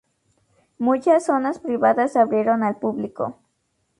Muchas zonas privadas se abrieron al público.